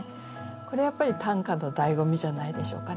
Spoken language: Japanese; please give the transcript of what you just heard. これやっぱり短歌のだいご味じゃないでしょうかね。